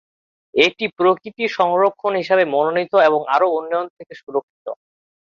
এটি প্রকৃতি সংরক্ষণ হিসাবে মনোনীত এবং আরও উন্নয়ন থেকে সুরক্ষিত।